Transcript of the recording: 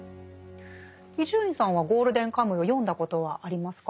伊集院さんは「ゴールデンカムイ」を読んだことはありますか？